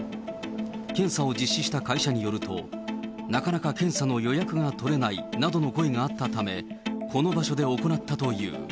検査を実施した会社によると、なかなか検査の予約が取れないなどの声があったため、この場所で行ったという。